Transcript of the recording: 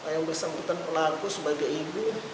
yang bersangkutan pelaku sebagai ibu